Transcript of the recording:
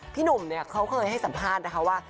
พี่หนุ่มเนี่ยเขาเคยให้สัมภาษณ์นะคะว่า